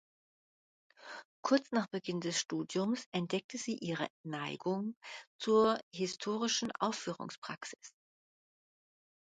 Kurz nach Beginn des Studiums entdeckte sie ihre Neigung zur historischen Aufführungspraxis.